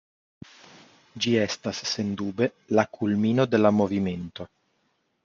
Ĝi estas sendube la kulmino de la movimento.